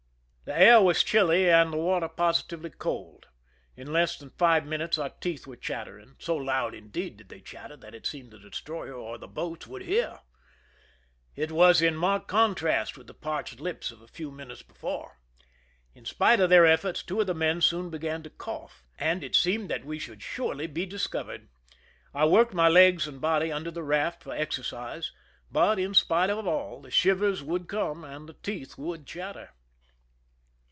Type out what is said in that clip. The air was chilly and the water positively cold. In less than five minutes our teeth were chatter ing ; so loud, indeed, did they chatter that it seemed the destroyer or the boats would hear. It was in marked contrast with the parched lips of a few minutes before. In spite of their efforts, two of the men soon began to cough, and it seemed that we should surely be discovered. I worked my legs and body under the raft for exercise, but, in spite of all, the shivers would come and the teeth would chatter.